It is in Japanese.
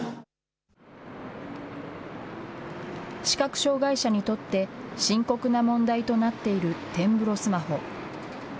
視覚障害者にとって、深刻な問題となっている点ブロスマホ。